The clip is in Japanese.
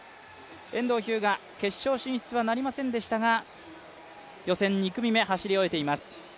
遠藤日向、決勝進出はなりませんでしたが予選２組目、走り終えています。